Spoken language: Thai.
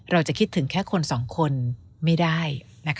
เราจะคิดถึงแค่คนสองคนไม่ได้